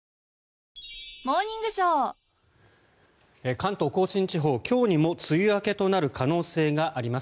関東・甲信地方今日にも梅雨明けとなる可能性があります。